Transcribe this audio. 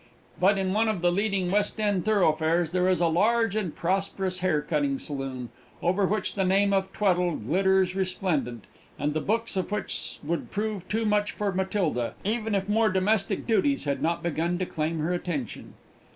But, in one of the leading West End thoroughfares there is a large and prosperous hair cutting saloon, over which the name of "Tweddle" glitters resplendent, and the books of which would prove too much for Matilda, even if more domestic duties had not begun to claim her attention.